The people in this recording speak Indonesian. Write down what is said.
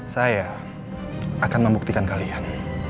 saya akan membuktikan kalian